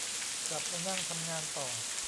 กลับมานั่งทำงานต่อ